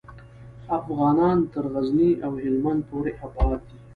افغانان تر غزني او هیلمند پورې آباد دي.